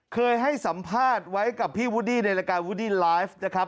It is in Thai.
เคยให้สัมภาษณ์ไว้กับพี่วูดดี้ในรายการวูดดี้ไลฟ์นะครับ